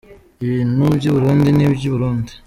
Ibintu by’i Burundi ni i by’i Burundi.